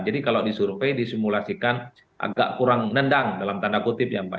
jadi kalau disurvey disimulasikan agak kurang nendang dalam tanda kutipnya pak